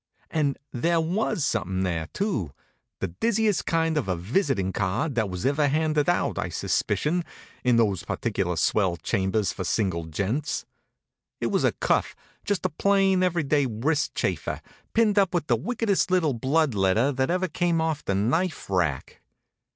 And there was something there, too; the dizziest kind of a visitin' card that was ever handed out, I suspicion, in those particular swell chambers for single gents. It was a cuff, just a plain, every day wrist chafer, pinned up with the wickedest little blood letter that ever came off the knife rack.